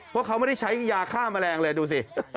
เพราะเขาไม่ได้ใช้ยาฆ่าแมลงเลยดูสิ